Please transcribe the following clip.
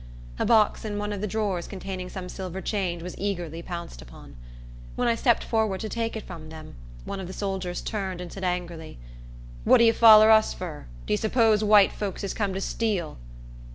A box in one of the drawers containing some silver change was eagerly pounced upon. When I stepped forward to take it from them, one of the soldiers turned and said angrily, "What d'ye foller us fur? D'ye s'pose white folks is come to steal?"